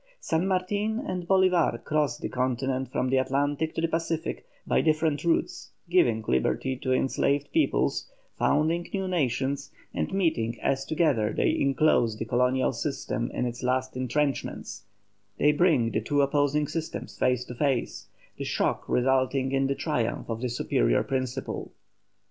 San Martin and Bolívar cross the continent from the Atlantic to the Pacific by different routes, giving liberty to enslaved peoples, founding new nations, and meeting as together they enclose the colonial system in its last entrenchments, they bring the two opposing systems face to face, the shock resulting in the triumph of the superior principle.